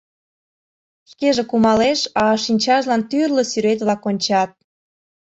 Шкеже кумалеш, а шинчажлан тӱрлӧ сӱрет-влак кончат.